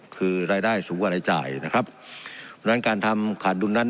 คือรายได้สูงกว่ารายจ่ายนะครับดังนั้นการทำขาดดุลนั้น